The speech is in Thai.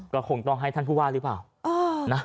ก็คงต้องให้ท่านผู้ว่าหรือเปล่านะ